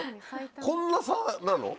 こんな差なの？